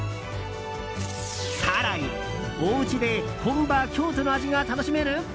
更に、おうちで本場・京都の味が楽しめる？